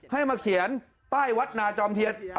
ให้มาเขียนป้ายวัดนาจอมเทียน